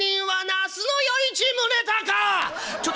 那須与一宗隆！？